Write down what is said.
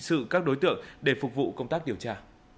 sự các đối tượng để phục vụ công tác điều tra